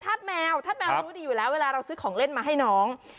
แมวธาตุแมวรู้ดีอยู่แล้วเวลาเราซื้อของเล่นมาให้น้อง